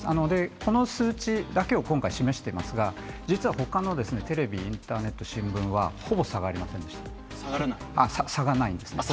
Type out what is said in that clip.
この数値だけを今回示していますが実は他のテレビ、インターネット、新聞はほぼ差がないんですね。